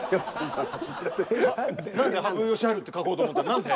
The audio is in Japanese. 羽生善治って書こうと思ったら何で？